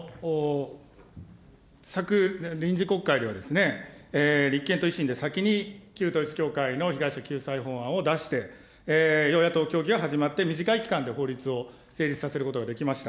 昨臨時国会ではですね、立憲と維新で、先に旧統一教会の被害者救済法案を出して、与野党協議が始まって短い期間で法律を成立させることができました。